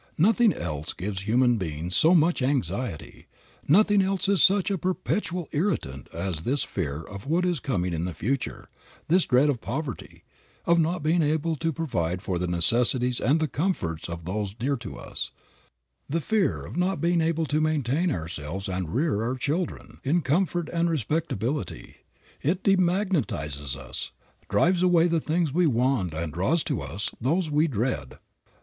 Nothing else gives human beings so much anxiety, nothing else is such a perpetual irritant as this fear of what is coming in the future, this dread of poverty, of not being able to provide for the necessities and the comforts of those dear to us, the fear of not being able to maintain ourselves and to rear our children in comfort and respectability. It demagnetizes us, drives away the things we want and draws to us those we dread.